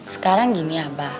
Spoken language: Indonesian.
sekarang gini abah